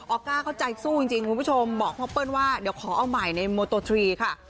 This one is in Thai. ออก้าเขาใจสู้จริงคุณผู้ชมบอกพ่อเปิ้ลว่าเดี๋ยวขอเอาใหม่ในโมโตทรีค่ะ